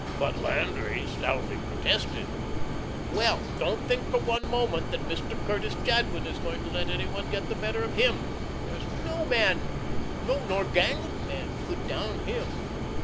But Landry stoutly protested: "Well, don't think for one moment that Mr. Curtis Jadwin is going to let any one get the better of him. There's no man no, nor gang of men could down him.